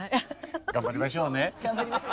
頑張りましょうね。